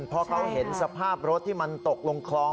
เพราะเขาเห็นสภาพรถที่มันตกลงคลอง